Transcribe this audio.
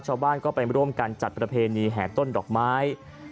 ชาวบ้านก็ไปร่วมกันจัดประเพณีแห่ต้นดอกไม้